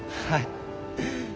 はい。